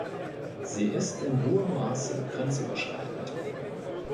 Sie ist in hohem Maße grenzüberschreitend.